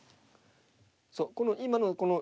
そうこの今の手順